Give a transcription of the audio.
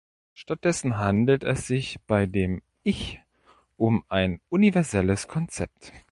Stattdessen handelt es sich bei dem „Ich“ um ein universelles Konzept.